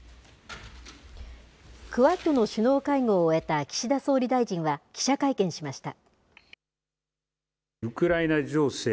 クアッドの首脳会合を終えた岸田総理大臣は、記者会見しました。